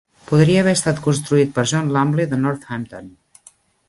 Podria haver estat construït per John Lumley, de Northampton.